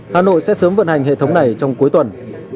hà nội sẽ sớm vận hành hệ thống này trong cuối tuần